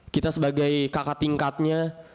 kita sebagai kakak tingkatnya